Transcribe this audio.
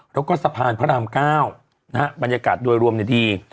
แล้วก็สะพานพระราม๙บรรยากาศโดยรวมดี